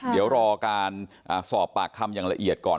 เดี๋ยวรอการสอบปากคำอย่างละเอียดก่อน